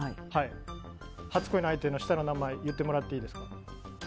初恋の相手の下の名前言ってもらっていいですか？